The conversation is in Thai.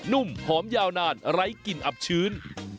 ุ่มหอมยาวนานไร้กลิ่นอับชื้น